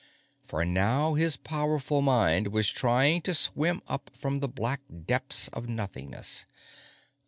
For now, his powerful mind was trying to swim up from the black depths of nothingness.